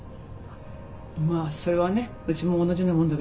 まあそれはねうちも同じようなもんだけど。